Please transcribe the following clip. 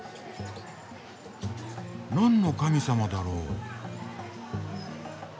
何の神様だろう？